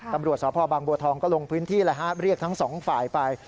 ตำรวจสพบางบัวทองก็ลงพื้นที่เรียกทั้งสองฝ่ายไป